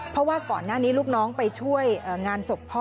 เพราะว่าก่อนหน้านี้ลูกน้องไปช่วยงานศพพ่อ